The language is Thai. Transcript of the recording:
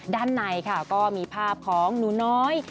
ด้านในค่ะก็มีภาพของหนูน้อย